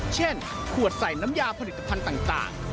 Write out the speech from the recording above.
เช่นขวดใส่น้ำยาผลิตภัณฑ์ต่าง